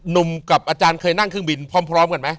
หนุ่มกับอาจารย์เคยนั่งเครื่องบินพร้อมกันไหม